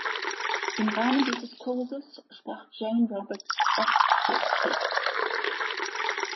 Im Rahmen dieses Kurses sprach Jane Roberts oft für Seth.